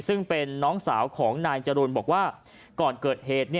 ซึ่งเป็นน้องสาวของนายจรูนบอกว่าก่อนเกิดเหตุ